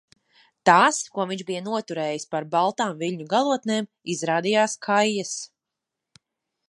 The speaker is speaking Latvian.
Tās, ko viņš bija noturējis par baltām viļņu galotnēm, izrādījās kaijas.